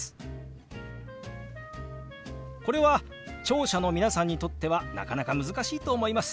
これは聴者の皆さんにとってはなかなか難しいと思います。